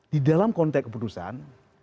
di dalam konteks keputusan